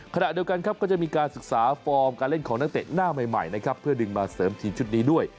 ขณะเดียวกันครับก็จะมีการศึกษาฟอร์มการเล่นของนักเตะหน้าใหม่นะครับเพื่อดึงมาเสริมทีมชุดนี้ด้วย